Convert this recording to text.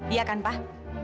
iya kan pak